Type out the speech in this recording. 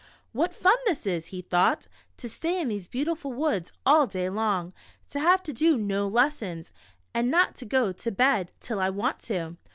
) "What fun this is," he thought, "to stay in these beautiful woods all day long — to ha\e to do no lessons, and not to go to bed till I want to.